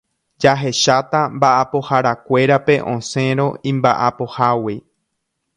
jahecháta mba'apoharakuérape osẽrõ imba'apohágui